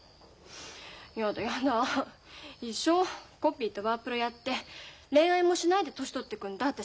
やだやだ一生コピーとワープロやって恋愛もしないで年取ってくんだ私。